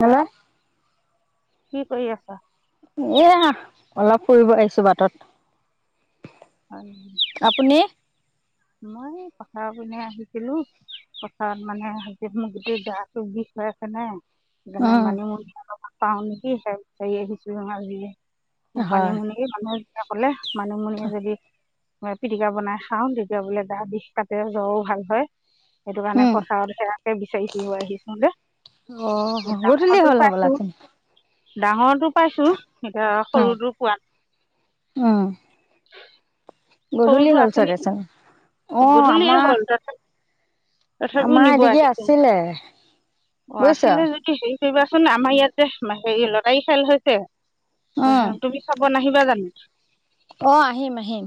Hello. কি কৰি আছা? এয়া অলপ ফুৰিব আহিছো বাটত। হয়, আপুনি? মই পথাৰৰ পিনে আহিছিলো। পথাৰত মানে সেইকেদিন মোৰ গোটেই গাটো বিষ হৈ আছে নে সেইকাৰণে উম, মানুহ পাওঁ নেকি হেল্প [unintelligible] হয়, মানিমুনি মানুহে যেতিয়া কলে মানুমুনিয়ে যদি, মই পিটিকা বনাই খাওঁ তেতিয়া বোলে গা বিষ কাতে জ্বৰো ভাল হয় সেইটো কাৰণে উম। পথাৰত সেইয়াকে বিচাৰি পিনে আহিছোগে। অঁ গধূলি হল হ'বলা ছোন। ডাঙৰটো পাইছো এতিয়া সৰুটো পোৱা- উমঁ। গধূলি সৰুটো হ'ল আছে চাগে নেকি? চোন। অ', গধূলিয়ে আমাৰ হ'ল ত। তথাপিও আমাৰ নিব এদিগি আহিছোঙ আছিলে অঁ বুজিছ। আছিলে যদি সেই। কৰিবাচোন আমাৰ ইয়াত হে লটাৰী খেল হৈছে উম, তুমি। চাব নাহিবা জানো। অঁ আহিম আহিম।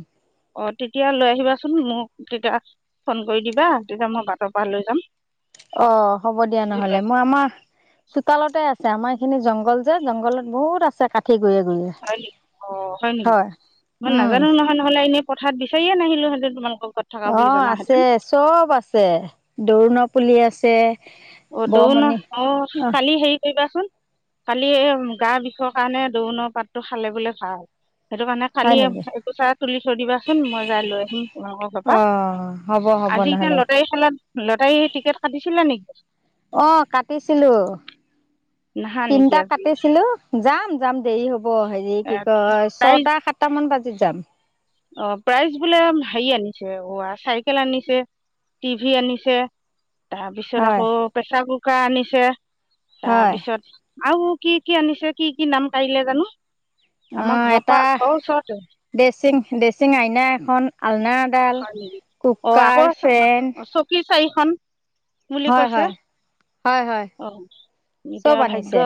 অঁ তেতিয়া লৈ আহিবাচোন মোক। তেতিয়া ফোন কৰি দিবা তেতিয়া মই বাটৰ পৰা লৈ যাম। অঁ হ'ব দিয়া বুজি নহলে পাইছা? মই আমাৰ। চোতালতে আছে আমাৰ এইখিনি জংঘল যে জংঘলত বহুত আছে কাঠ। হয়ঁ নি অঁ হয়ঁ নেকি হয়। মই উম, নাজানো নহয় নহলে এনে। কথাত বিচাৰীয়ে নাহীলো হেঁতেন তোমালোক ঘৰত। থকা বুলি অঁ জনাহেঁতেন আছে চব আছে দৰুোণ পুলি আছে। অঁ দৌন বৰমণি অঁ অ', কালি হেৰি কৰিবাচোন। কালি এ গা বিষৰ কাৰণে দৌনৰ পাতটো খালে বোলে ভাল। সেইটো কাৰণে হয় কালি নেকি একোচ তুলি থৈ দিবাচোন মই যাই লৈ আহিম তোমালোকৰ ঘৰ পৰা। অ হ'ব হ'ব আজি এতিয়া নহ'লে লটাৰী খেলাত লটাৰী টিকেট কাটিছিলে নেকি? অ', কাটিছিলো নাহা নেকি তিনিটা আজি কাটিছিলো যাম যাম দেৰি হ'ব। হ'ব হেৰি এ, কি কয় প্ৰাইজ ছটা সাতটা মান বাজিত যাম। অ', প্ৰাইজ বোলে হেৰি ঔৱা আনিছে চাইকেল আনিছে। টিভি আনিছে। তাৰপিছত হয় আকৌ প্ৰেচাৰ কুকাৰ আনিছে হয় তাৰপিছত আৰু কি কি আনিছে কি কি নাম কঢ়িলে জানো অ আমাৰ ঘৰৰ এটা পৰা ঘৰৰ ওচৰতে। ড্ৰেচিং ড্ৰেচিং, আইনা এখন, আলনা এডাল, হয় কুকাৰ, ফেন। কি চাৰিখন বুলি হয় কৈছে। হয় হয় হয় অ', এতিয়া চব আনিছে ভাগ্য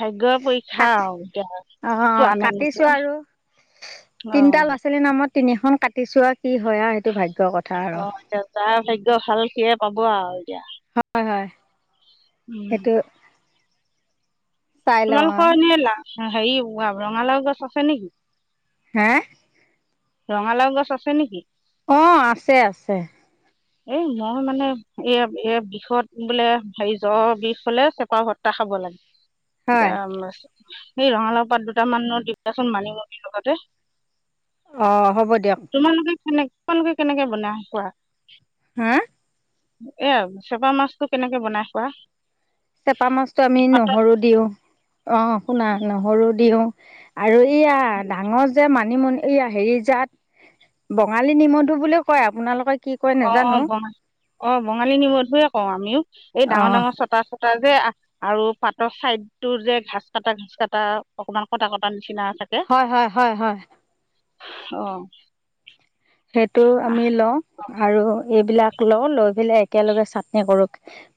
ভাগ্যয়ে পৰীক্ষা কাট আৰু এতিয়া পোৱা নে নোপোৱা। অ তিনটা ল'ৰা ছোৱালীৰ নামত তিনিখন কাটিছো আৰু কি হয় আৰু সেইটো ভাগ্যৰ কথা অ আৰু। এতিয়া যাৰ ভাগ্যৰ ভাল সিয়ে পাব আৰু এতিয়া। হয়, হয়, উম সেটো। তোমালোকৰ এনে লাও হেৰি ৰঙালাও গছ আছে নেকি? হে? ৰঙালাও গছ আছে নেকি? অ', আছে আছে। এ মই মানে এ এ বিষত বোলে হেৰি জ্বৰ বিষ হ'লে চেপা ভত্তা খাব লাগে। হয় এতিয়া সেই ৰঙালাও পাত দুটামানো দি পঠাচোন মানিমুনি লগতে। অ', হ'ব দিয়ক। তোমালোকে কেনে তোমালোকে কেনেকে বনাই খোৱা? হা? এয়া চেপা মাছতটো কেনেকে বনাই খোৱা? চেপা মাছটো আমি পাতত নহৰু দিও অ' শুনা নহৰু দিওঁ। আৰু ইয়া ডাঙৰ যে মানিমুনি। এইয়া হেৰি জাত বঙালী নিমধু বুলি কয় আপোনালোকে কি কয় অ', নাজানো অ', বঙালী অ' বঙালী নিমধুয়ে কওঁ আমিও এই ডাঙৰ অ', ডাঙৰ চটা চটা যে আৰু পাতৰ চাইদতো যে ঘাচ কটা ঘাচ কটা অকমান কটা কটা নিচিনা থাকে। হয়, হয়, হয়, হয়। অ'। সেইটো আহ আমি লওঁ আৰু এইবিলাক লওঁ লৈ পেলাই একেলগে চাটনি কৰো।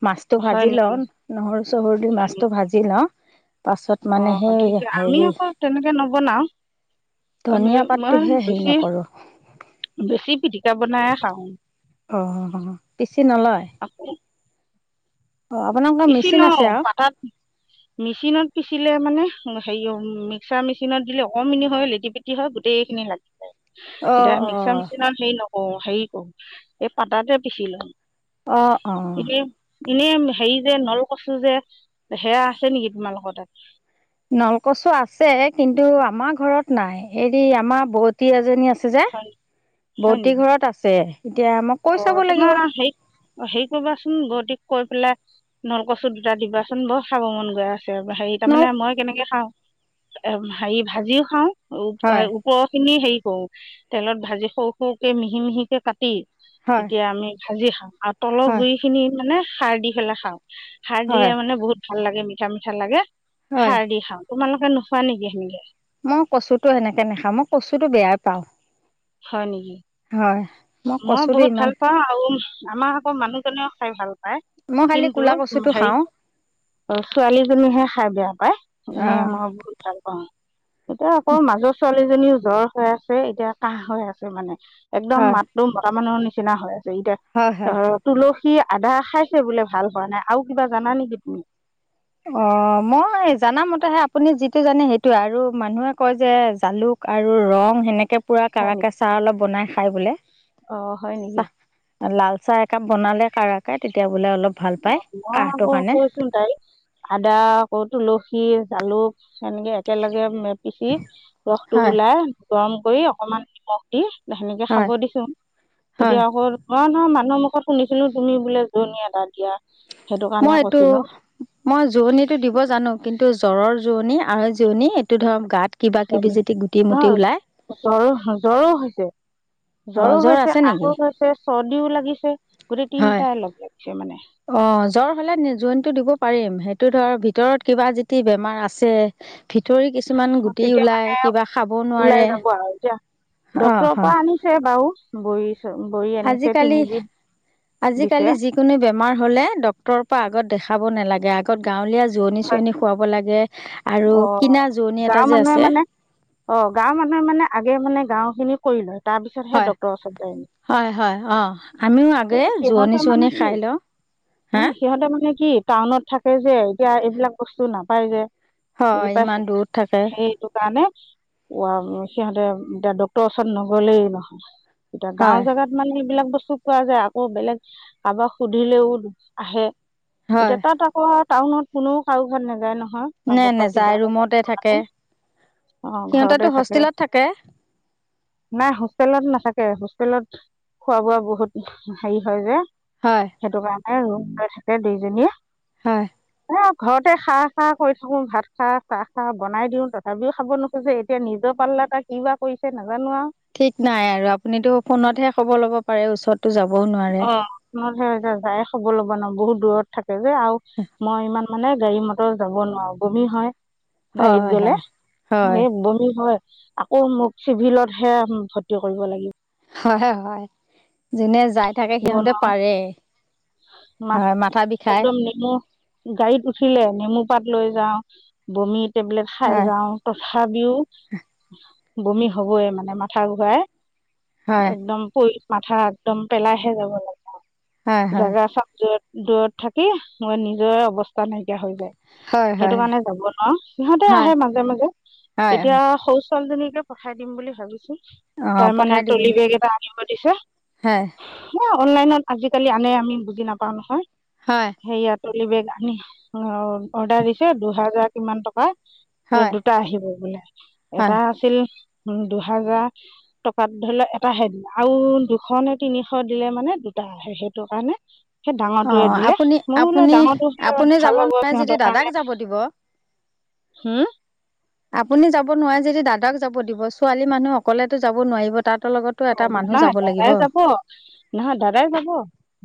মাছটো হয় ভাজি নেকি লওঁ নহৰু চহৰু দি হয় মাছটো নেকি ভাজি লওঁ। পাছত অ মানে সেই ঠিকে আমি হেৰি আকৌ তেনেকে নবনাও আমি ধনীয়া মই পাতটোহে হেৰি বেছি নকৰো। বেছি পিটিকা বনাইয়ে খাওঁ। অ', পিচি নলয়? আকৌ অ' আপোনালোকৰ পিচি মেচিন লওঁ আছে আৰু। পাতাত মেচিনত পিচিলে মানে হেৰি অ' মিক্সাৰ মেচিনত দিলে অকমিনি হৈ লেটি পেটি হয় গোটেইখিনি লাগি যায়। অ এতিয়া অ মিক্সাৰ মেচিন হেৰি নকৰো, হেৰি কৰো এই পাতাতে পিচি লওঁ। অ অ ইনে ইনে হেৰি যে নল কচু যে সেয়া আছে নেকি তোমালোকৰ তাত? নলকচু আছে কিন্তু আমাৰ ঘৰত নাই। হৰি আমাৰ ব'তী এজনী আছে যে হয় হয় ব'তী নেকি ঘৰত আছে। এতিয়া আমাক অ', তোমাৰ হেৰি অ', হেৰি কবাচোন ব'তীক কৈ পেলাই নলকচু দুটা দিবাচোন বৰ খাব মন গৈ আ হেৰি নল তাৰমানে মই কেনেকে খাওঁ, এ হেৰি ভাজিও খাওঁ হয় উ পৰৰ খিনি হেৰি কৰো, তেলত ভাজি সৰু, সৰুকে মিহি, মিহিকে কাটি হয় তেতিয়া আমি ভাজি খাওঁ, আৰু তলৰ হয় গুৰি খিনি মানে সাৰ দি পেলাই খাওঁ সাৰ হয় দিলে মানে বহুত ভাল লাগে মিঠা, মিঠা লাগে, হয় সাৰ দি খাওঁ। তোমালোকে নোখোৱা নেকি সেনেকে? মই কচুটো সেনেকে নাখাওঁ। মই কচু টো বেয়া পাওঁ। হয় নেকি, হয় মই কচুটো বহুত ইমান ভাল পাওঁ আৰু আমাৰ আকৌ মানুহজনেও খাই ভাল পায়, মই খালি কিন্তু ক'লা উ কচুটো হেৰি খাওঁ ছোৱালীজনীহে খাই বেয়া পায়, অ এনে মই বহুত ভাল পাওঁ। এতিয়া আকৌ মাজৰ ছোৱালীজনীও জ্বৰ হৈ আছে, এতিয়া কাহ হৈ আছে মানে। একদম হয় মাতটো মতা মানুহৰ নিচিনা হৈ আছে, ইতিয়া হয় হয় ধৰক তুলসী, আধা খাইছে বোলে ভাল হোৱা নাই আৰু কিবা জানা নেকি তুমি অ', মই জানামতে সেই আপুনি যিটো জানে সেইটো আৰু মানুহে কয় যে জালুক আৰু লং সেনেকে পুৰা হয় কাৰাকে নেকি চাহ অলপ বনাই খাই বোলে। অ হয় নেকি চাহ লাল চাহ একাপ বনালে কাৰাকে তেতিয়া বোলে অলপ ভাল পায় কাহটোৰ কাৰণে। [unintelligible] চোন তাই, আদা আকৌ তুলসী, জালুক সেনেকে একেলগে পিচি, ৰসটো হয়, ওলাই, গৰম কৰি, অকমান নিমখ দি সেনেকে খাব হয়, দিছোঁ। এতিয়া হয়। আকৌ মই নহয় মানুহ মুখত শুনিছিলো তুমি বোলে জোৰনী এটা দিয়া। সেইটো কাৰণে মই এইটো কৈছিলো মই জোৰণিতটো দিব জানো, কিন্তু জ্বৰৰ জোৰণি আৰ জোৰণি এইটো ধৰক গাত কিবা কিবি হয়, যদি গুটি মুটি নহয়, ওলাই জ্বৰ, জ্বৰো হৈছে। অ' জ্বৰো জ্বৰ হৈছে, আছে নেকি? আসুষ হৈছে, চৰ্দিও লাগিছে, গোটেই হয়। তিনটাই লাগিছে মানে। অ', জ্বৰ হ'লে জোৰনীটো দিব পাৰিম, সেইটো ধৰ ভিতৰত কিবা যদি বেমাৰ আছে ভিতৰি কিছুমান গুটি তেতিয়া মানে ওলাই কিবা খাব ওলাই নোৱাৰে। যাব আৰু এতিয়া অ', ডক্তৰৰ পৰা হয় আনিছে বাৰু ব গৰি আনিছে তিনিবিধ দিছে। কোনো বেমাৰ হ'লে ডক্তৰৰ পা আগত দেখাব নালাগে আগ গত গাঁৱলীয়া জোৰণি হয় চোৰণি খোৱাব লাগে, আৰু অ কিনা জোৰণি গাঁৱৰ এটা যে মানুহে আছে মানে অ', গাঁৱ মানুহে মানে আগে মানে গাঁও খিনি কৰি লয়, তাৰ পিছতহে হয় ডাক্তৰৰ ওচৰত যায়। হয়, হয়, অ', আমিও আগে জোৰণি সিহঁতে মানে চোৱনি কি খাই লওঁ। হা সিহঁতে মানে কি টাউনত থাকে যে, এতিয়া এইবিলাক বস্তু নাপায় যে। হয় বুজি পইছা? ইমান দূৰত থাকে সে টো কাৰণে সিহঁতে এতিয়া ডক্তৰৰ ওচৰত নগলেই নহয়। এতিয়া গাও হয় জেগাত মানে এইবিলাক বস্তু পোৱা যায়, আকৌ বেলেগ কাৰোবাক সুধিলেও আহে। হয় এতিয়া তাত আকৌ টাউনত কোনেও কাৰো ঘৰত নাযায় নহয়। চাব নে পৰা কিবা নেযায় এটা ৰুমতে থাকে [unintelligible] অ', ঘৰতে সিহঁতেতো থাকে। হোষ্টেলত নাই হোষ্টেলত নাথাকে, হোষ্টেলত খোৱা বোৱা বহুত হেৰি হয় যে হয়। সেইটো কাৰণে ৰুম লৈ থাকে দুইজনীয়ে। হয়। এ ঘৰতে খা, খা কৰি থাকো ভাত খা, চাহ খা বনাই দিও তথাপিও খাব নো খোজে এতিয়া নিজৰ পাল্লাত তাই কি বা কৰিছে নাজানো আৰু। ঠিক নাই আৰু আপুনিতো ফোনতহে খবৰ ল'ব পাৰে ওচৰতো যাবও নোৱাৰে। ফোনত হে এতিয়া যায় খব লব নোৱাৰোঁ বহুত দূৰত থাকে যে আৰু মই ইমান। মানে গাড়ী মটৰ যাব নোৱাৰো বমি হয় গাড়ীত হয় গ'লে হয় হয় এই বমি হয় আকৌ মোক চিভিলতহে ভৰ্তি কৰিব লাগিব হয় হে হয় যোনে যাই থাকে সিহঁতে নোৱাৰোঁ পাৰে হয় মাথা বিষাই। মোৰ গাড়ীত উঠিলে নেমু পাত লৈ যাওঁ বমি টেবলেট খাই হয় যাওঁ তথাপিও বমি হবই মানে মাথা ঘূৰাই হয় একদম পৰি মাথা একদম পেলাইহে যাব হয় লাগে হয় জাগা চাব যত দূৰত থাকি মই নিজৰে অৱস্থা নাইকিয়া হৈ যায়। হয় সেইটো হয় কাৰণে যাব নোৱাৰো সিহঁতে হয় আহে মাজে মাজে হয় এতিয়া হয় শৌচ ছোৱালীজনীকে পঠাই দিম বুলি ভাবিছো অঁ তাৰ পঠাই মানে দিব টলি বেগ এটা আনিব দিছে হয়। অ' অনলাইনত আজিকালি আনে আমি বুজি নাপাও নহয়। হয়। সেয়া তলি বেগ আনি অৰ্ডাৰ দিছে দুহাজাৰ কিমান টকা হয় দুটা আহিব বোলে হয় এটা আছিল উম দুহাজাৰ টকাত ধৰি লওক এটা হেড আও দুখন নে তিনিশ দিলে মানে দুটা আহে সেইটো কাৰণে সেই ডাঙৰটোৱে অঁ দিলে আপুনি মইও বুলো আপুনি ডাঙৰটো [unintelligible] আপুনি যাব ভাল হ'ব নোৱাৰে যদি সিহঁতৰ দাদাক কাৰণে। যাব দিব হোম আপুনি যাব নোৱাৰে যদি দাদাক যাব দিব ছোৱালী মানুহ অকলেতো যাব নোৱাৰিব তাহতৰ লগত [unintelligible] নাই দদাই যাব। নহয় দাদাই যাব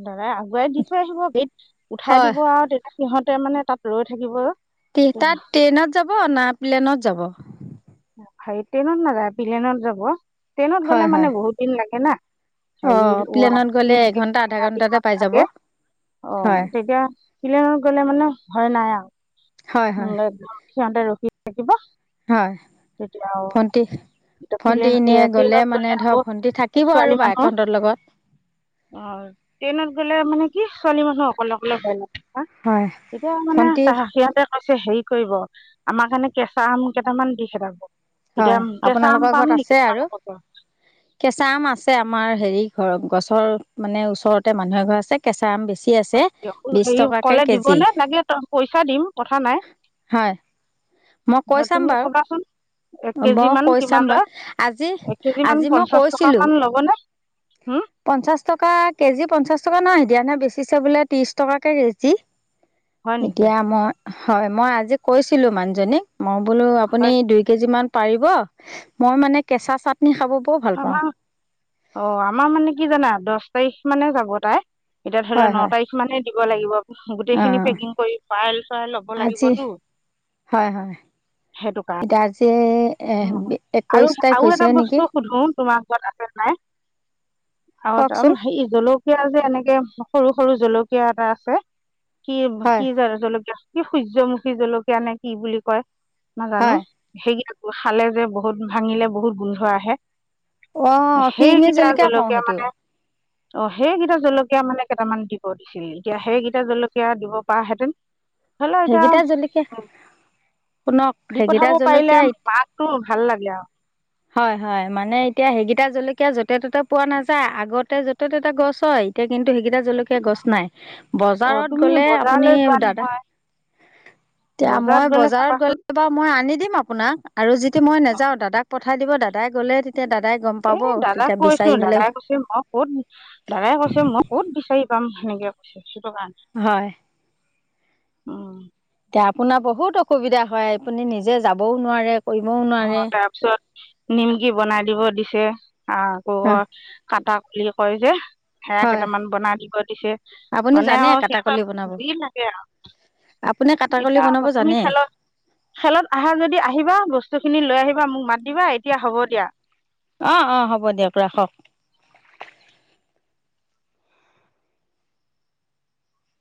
দাদাই আগুৱাই দি থৈ আহিব গেত উঠাই হয় দিব আৰু তেত সিহঁতে মানে তাত ৰৈ থাকিব তি তাত ট্ৰেইনত যাব না প্লেনত যাব। হাই ট্ৰেইনত নাযায় প্লেনত যাব ট্ৰেইনত হয় গলে মানে হয়। বহুত দিন লাগে না। অ' প্লেনত গ'লে এঘন্টা আধা ঘন্টাতে পাই যাব। হেৰি [unintelligible] অ' হয় তেতিয়া প্লেনত গ'লে মানে ভয় নাই আও হয় হয়। অ' সিহঁতে ৰখি থাকিব হয় তেতিয়া আৰু ভণ্টি এতিয়া ভণ্টি প্লেন এনে এয়া গ'লে ট্ৰেইনত মানে ধৰ আকৌ ভণ্টি থাকিব আৰু বায়েক হতৰ লগত। অ' ট্ৰেইনত গ'লে মানে কি ছোৱালী মানুহ অকলে অকলে ভয় লাগে না। হয়। এতিয়া মানে ভণ্টি চাহ সিহঁতে কৈছে হেৰি কৰিব আমাৰ কাৰণে কেঁচা আম কেইটামান দি খেদাব এতিয়া হয় কেঁচা আম আপোনালোকৰ ঘৰত পাম আছে নেকি আৰু। তোমালোকৰ তাত কেঁচা আম আছে আমাৰ হেৰি ঘৰ গছৰ মানে ওচৰতে মানুহে এঘৰ আছে কেঁচা আম বেছি আছে। হয় দিয়ক বিশ হেৰি টকাকে কলে দিব কেজি নে লাগিলে ত পইচা দিম কথা নাই। হয়। মই কৈ চাম তুমি বাৰু ক'বাচোন। এক কেজি মই মান কৈ চাম কিমান বাৰু লয় আজি এক কেজি মান আজি মই পঞ্চাশ টকা কৈছিলোঁ মান ল'বনে হোম পঞ্চাশ টকা কেজি পঞ্চাশ টকা নহয় দিয়া নাই বেচিছে বোলে ত্ৰিশ টকাকে কেজি হয় নেকি এতিয়া মই হয় মই আজি কৈছিলো মানুহজনীক মই বোলো আপুনি হয় দুই কেজি মান পাৰিব মই মানে কেচা চাটনি খাব বৰ ভাল আমা, পাওঁ অ আমাৰ মানে কি জানা দশ তাৰিখ মানে যাব তাই। এতিয়া ধৰি ল হয় ন হয় তাৰিখ মানে দিব লাগিব, গোটেইখিনি অঁ পেকিং কৰি পাইল চাইল লব আজি লাগিব তো। হয় হয়, কাৰণে এতিয়া আজি একৈশ তাৰিখ হৈছে নেকি? শুধু তোমাৰ ঘৰত আছে নাই, আৰু ত কওকচোন হে জলক সেয়া যে এনেকে সৰু সৰু জলকীয়া এটা আছে, কি হয় কি জলকীয়া কি সূৰ্যমুখী জলকীয়া নে কি বুলি কয় নাজানো, হয় সেই কেইটা খালে যে বহুত ভাঙিলে বহুত গুন্ধ আহে। অঁ ফিৰিঙি সেইকেইটা কওঁ জলকীয়া সেইটো মানে অঁ সেইকেইটা জলকীয়া মানে কেইটামান দিব দিছিল, এতিয়া সেইকেইটা জলকীয়া দিব পৰাহেঁতেন। হলো এতিয়া সেইকেইটা জলকীয়া শুনক দি সেইকেইটা পঠাব পাৰিলে জলকীয়া মাকটো ভাল লাগে আৰু। হয় হয় মানে এতিয়া সেইকেইটা জলকীয়া য'তে ত'তে পোৱা নাযায়, আগতে য'তে ত'তে গছ হয়। এতিয়া কিন্তু সেইকেইটা জলকীয়া গছ নাই, অ বজাৰত তুমি গ'লে আপুনি বজাৰলৈ যোৱা দাদা নহয় এতিয়া বজাৰত মই গ'লে বজাৰত চাবাচোন গ'লে ত মই আনি দিম আপোনাক, আৰু যদি মই নাযাওঁ দাদাক পঠাই দিব দাদাই গ'লে তেতিয়া দাদাই গম এ পাব দাদাক তেতিয়া কৈছো, বিচাৰি পেলাই দাদাই কৈছে মোক ক'ত দাদাই কৈছে মই ক'ত বিচাৰি পাম সেনেকে কৈছে সেইটো কাৰণে। হয়। উম। এতিয়া আপোনাৰ বহুত অসুবিধা হয়, আপুনি নিজে যাবও নোৱাৰে। কৰিবও অঁ নোৱাৰে তাৰপিছত নিমকি বনাই দিব দিছে আঁ আকৌ হয় কটা কৰিয়ে কয় যে। সেয়া হয় কেইটামান বনাই দিব দিছে, আপুনি মানে জানে আও সিহঁতৰ কাটাকলি বনাব হেৰি যি‌ লাগে আও। আপুনি কাটাকলি এতিয়া বনাব তুমি জানে খাল খেলত আহা যদি আহিবা, বস্তুখিনি লৈ আহিবা মোক মাতিবা এতিয়া হ'ব দিয়া। অঁ অঁ হ'ব দিয়ক ৰাখক।